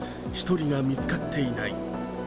１人が見つかっていない。